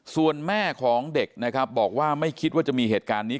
ส่วนแม่ของเด็กนะครับบอกว่าไม่คิดว่าจะมีเหตุการณ์นี้